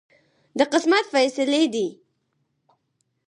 د قسمت فیصلې دي.